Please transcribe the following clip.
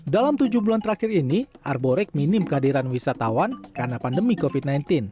dalam tujuh bulan terakhir ini arborek minim kehadiran wisatawan karena pandemi covid sembilan belas